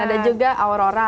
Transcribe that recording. ada juga aurora